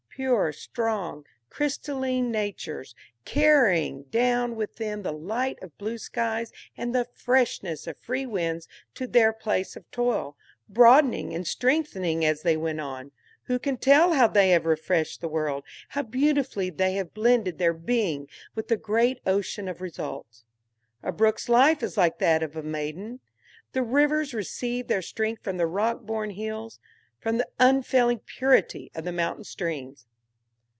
Pure, strong, crystalline natures, carrying down with them the light of blue skies and the freshness of free winds to their place of toil, broadening and strengthening as they went on, who can tell how they have refreshed the world, how beautifully they have blended their being with the great ocean of results? A brook's life is like the life of a maiden. The rivers receive their strength from the rock born hills, from the unfailing purity of the mountain streams.